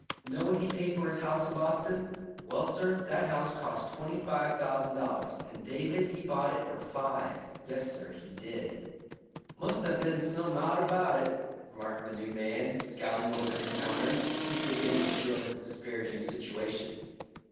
Know what he paid for his house in Boston? Well, sir, that house cost twenty five thousand dollars, and David he bought it for five. Yes, sir, he did." "Must have been some out about it," remarked the new man, scowling over his counter. He was beginning to feel his disparaging situation.